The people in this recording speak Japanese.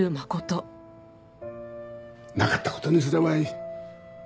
なかった事にすればいい。